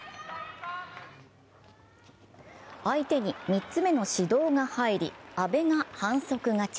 相手に３つ目の指導が入り、阿部が反則勝ち。